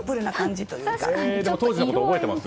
当時のこと覚えてます？